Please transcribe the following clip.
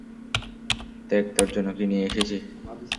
দেখ তর জন্য কি নিয়ে এসেছি।